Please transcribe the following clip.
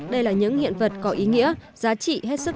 đây là những hiện vật có ý nghĩa giá trị hết sức